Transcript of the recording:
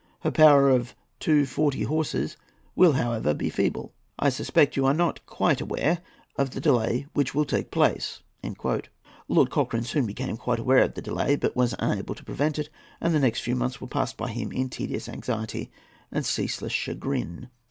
Her power of two forty horses will, however, be feeble. I suspect you are not quite aware of the delay which will take place." Lord Cochrane soon became quite aware of the delay, but was unable to prevent it, and the next few months were passed by him in tedious anxiety and ceaseless chagrin.